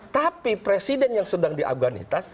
tapi presiden yang sedang di afganistan